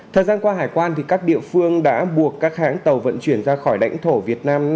thời gian qua hải quan các địa phương đã buộc các hãng tàu vận chuyển ra khỏi lãnh thổ việt nam